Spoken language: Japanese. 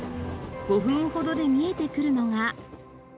５分ほどで見えてくるのが。